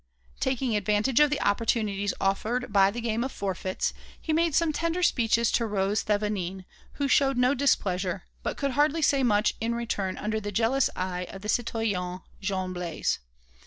Taking advantage of the opportunities offered by the game of forfeits, he made some tender speeches to Rose Thévenin, who showed no displeasure, but could hardly say much in return under the jealous eyes of the citoyen Jean Blaise.